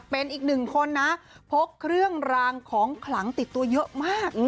เป็นอีกหนึ่งคนนะพกเครื่องรางของขลังติดตัวเยอะมาก